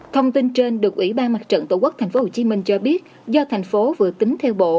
thông tin trên được ủy ban mặt trận tổ quốc tp hcm cho biết do thành phố vừa tính theo bộ